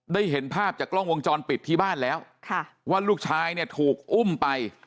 เห็นภาพจากกล้องวงจรปิดที่บ้านแล้วว่าลูกชายเนี่ยถูกอุ้มไป